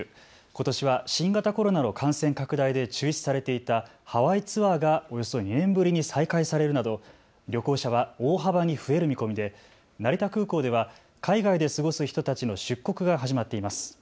ことしは新型コロナの感染拡大で中止されていたハワイツアーがおよそ２年ぶりに再開されるなど旅行者は大幅に増える見込みで成田空港では海外で過ごす人たちの出国が始まっています。